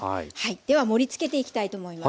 では盛りつけていきたいと思います。